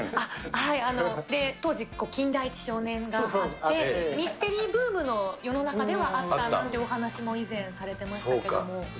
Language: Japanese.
はい、当時、金田一少年があって、ミステリーブームの世の中ではあったなんてお話も以前、されてまそうか。